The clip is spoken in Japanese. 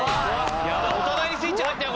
お互いにスイッチ入ったよ